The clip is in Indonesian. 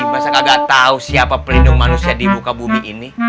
masa kagak tahu siapa pelindung manusia di muka bumi ini